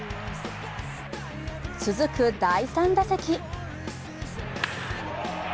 続く第３打席。